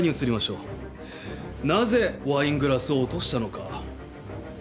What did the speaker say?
なぜワイングラスを落としたのか。